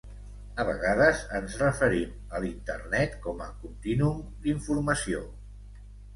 A vegades ens referim a l'Internet com a "continuum d'informació".